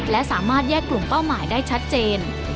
และสามารถแยกกลุ่มเป้าหมายได้ชัดเจน